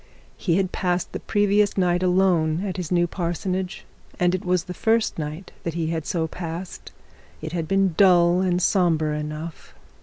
He had passed the previous night alone at his new parsonage, and it was the first night that he had so passed. It had been dull and sombre enough.